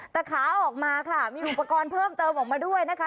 แต่ขาออกมาค่ะมีอุปกรณ์เพิ่มเติมออกมาด้วยนะคะ